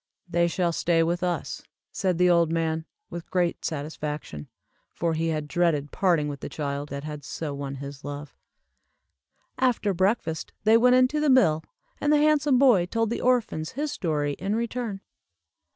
"They shall stay with us," said the old man, with great satisfaction, for he had dreaded parting with the child that had so won his love. After breakfast they went into the mill, and the handsome boy told the orphans his story, in return.